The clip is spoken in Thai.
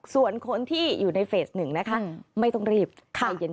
ส่วนคนที่อยู่ในเฟสหนึ่งนะคะไม่ต้องรีบใจเย็น